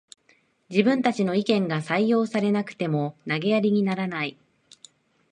自分たちの意見が採用されなくても投げやりにならない